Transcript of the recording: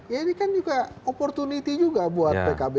ya ini kan juga opportunity juga buat pkb